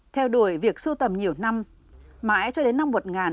theo đuổi việc sưu tầm nhiều năm mãi cho đến năm một nghìn chín trăm chín mươi chín